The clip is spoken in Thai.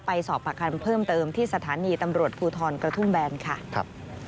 สอบประคำเพิ่มเติมที่สถานีตำรวจภูทรกระทุ่มแบนค่ะครับ